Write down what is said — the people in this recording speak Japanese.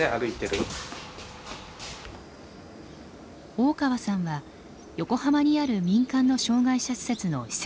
大川さんは横浜にある民間の障害者施設の施設長です。